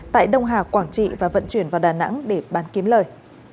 tại đông hà quảng trị và vận chuyển vào đà nẵng để bán kiếm lời